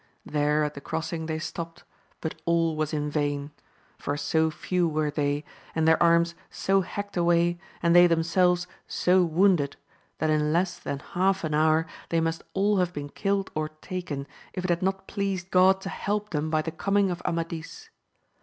There at the crossing they stopt, but all was in vain ; for so few were they, and their arms so hacked away, and they themselves so wounded, that in less than half an hour thev must all have been killed or taken, if it had not pleased God to help them by the coming of Amadis.